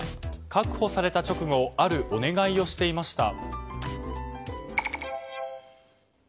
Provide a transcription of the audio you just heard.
確保された直後あるお願いをしていました。